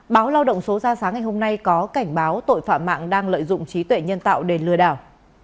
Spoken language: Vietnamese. báo lao động số ra sáng ngày hôm nay có cảnh báo tội phạm mạng đang lợi dụng trí tuệ nhân tạo để lừa đảo